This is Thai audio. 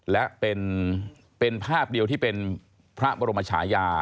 และเป็นภาพเดียวที่เป็นพระบรมชายา